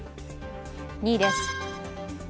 ２位です。